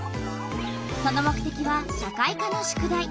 その目てきは社会科の宿題。